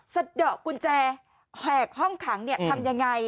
เสด็อกกุญแจแหกห้องขังเนี่ยทำยังไง